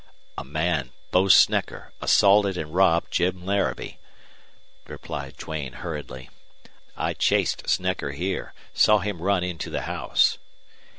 "A man Bo Snecker assaulted and robbed Jim Laramie," replied Duane, hurriedly. "I chased Snecker here saw him run into the house."